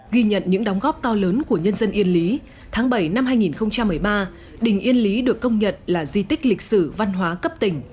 ghi nhận những đóng góp to lớn của nhân dân yên lý tháng bảy năm hai nghìn một mươi ba đình yên lý được công nhận là di tích lịch sử văn hóa cấp tỉnh